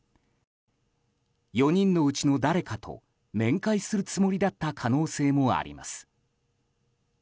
４人のうちの誰かと面会するつもりだった可能性もあります。